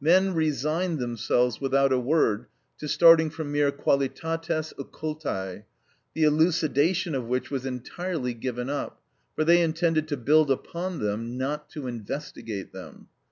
Men resigned themselves without a word to starting from mere qualitates occultæ, the elucidation of which was entirely given up, for they intended to build upon them, not to investigate them.